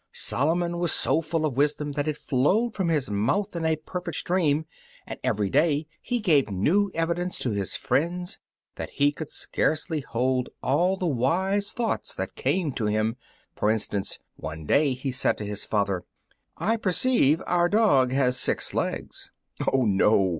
Solomon was so full of wisdom that it flowed from his mouth in a perfect stream, and every day he gave new evidence to his friends that he could scarcely hold all the wise thoughts that came to him. For instance, one day he said to his father, "I perceive our dog has six legs." "Oh, no!"